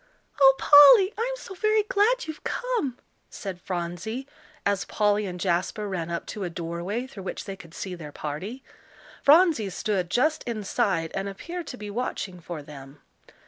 "Oh, Polly, I'm so very glad you've come," said Phronsie, as Polly and Jasper ran up to a doorway through which they could see their party. Phronsie stood just inside, and appeared to be watching for them.